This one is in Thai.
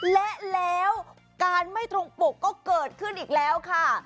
และแล้วการไม่ตรงปกก็เกิดขึ้นอีกแล้วค่ะ